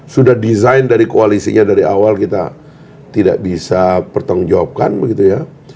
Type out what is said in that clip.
sudah desain dari koalisinya dari awal kita tidak bisa pertanggungjawabkan begitu ya